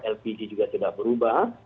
lpg juga tidak berubah